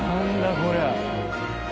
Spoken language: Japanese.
これ。